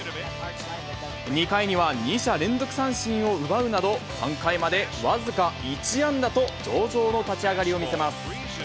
２回には２者連続三振を奪うなど、３回まで僅か１安打と上々の立ち上がりを見せます。